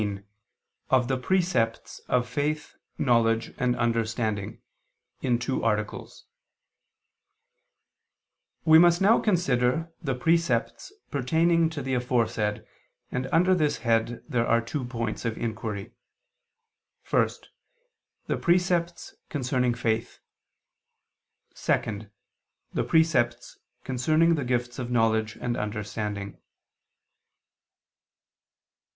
_______________________ QUESTION 16 OF THE PRECEPTS OF FAITH, KNOWLEDGE AND UNDERSTANDING (In Two Articles) We must now consider the precepts pertaining to the aforesaid, and under this head there are two points of inquiry: (1) The precepts concerning faith; (2) The precepts concerning the gifts of knowledge and understanding.